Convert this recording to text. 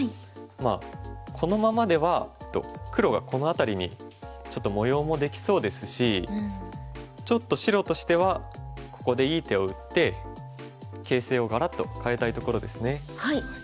まあこのままでは黒がこの辺りにちょっと模様もできそうですしちょっと白としてはここでいい手を打って形勢をガラッと変えたいところですね。